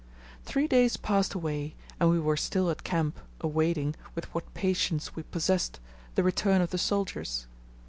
Three days passed away and we were still at camp, awaiting, with what patience we possessed, the return of the soldiers.